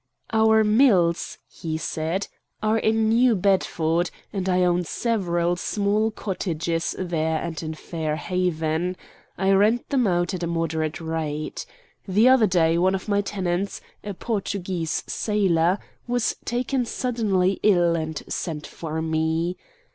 "Our mills," he said, "are in New Bedford; and I own several small cottages there and in Fairhaven. I rent them out at a moderate rate. The other day one of my tenants, a Portuguese sailor, was taken suddenly ill and sent for me.